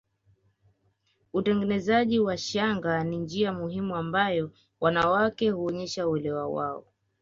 Utengenezaji wa shanga ni njia muhimu ambayo wanawake huonyesha uelewa wao